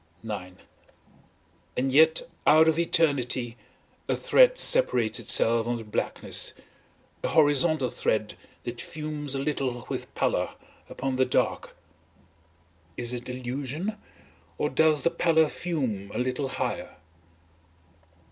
IX And yet out of eternity a thread separates itself on the blackness, a horizontal thread that fumes a little with pallor upon the dark. Is it illusion? or does the pallor fume A little higher?